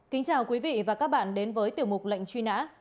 kính chào quý vị và các bạn đến với tiểu mục lệnh truy nã